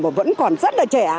và vẫn còn rất là trẻ